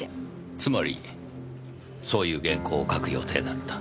つまりそういう原稿を書く予定だった。